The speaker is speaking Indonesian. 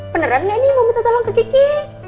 beneran gak ini mau minta tolong ke kiki